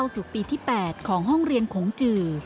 ๙ศุกร์ปีที่๘ของห้องเรียนของจือ